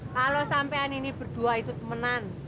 kalau sampean ini berdua itu temanan